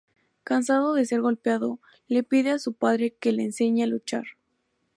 Cansado de ser golpeado, le pide a su padre que le enseñe a luchar.